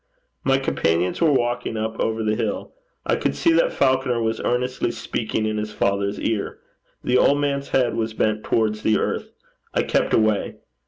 My companions were walking up over the hill. I could see that Falconer was earnestly speaking in his father's ear. The old man's head was bent towards the earth. I kept away.